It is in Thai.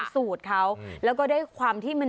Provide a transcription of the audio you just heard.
สูตรเขาแล้วก็ได้ความที่